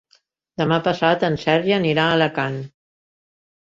Demà passat en Sergi anirà a Alacant.